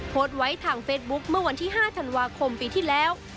โพสต์ไว้ทางเฟซบุ๊คเมื่อวันที่๕ธันวาคมปีที่แล้ว